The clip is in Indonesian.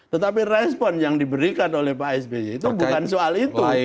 tetapi respon yang diberikan oleh pak sby itu bukan soal itu